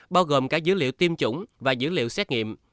bao gồm cả dữ liệu tiêm chủng và dữ liệu xét nghiệm